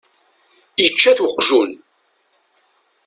Ičča-t uqjun.